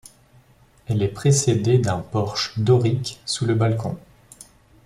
Elle est précédée d’un porche dorique, sous le balcon.